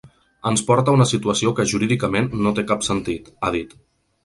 “Ens porta a una situació que jurídicament no té cap sentit”, ha dit.